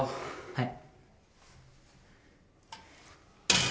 はい。